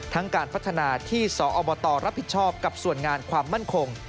การพัฒนาที่สอบตรับผิดชอบกับส่วนงานความมั่นคง